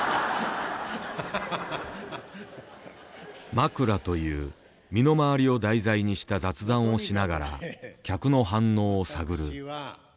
「枕」という身の回りを題材にした雑談をしながら客の反応を探る。